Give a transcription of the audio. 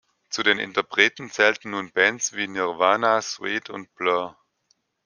Zu den Interpreten zählten nun Bands wie Nirvana, Suede und Blur.